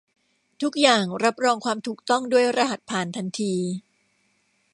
ทุกอย่างรับรองความถูกต้องด้วยรหัสผ่านทันที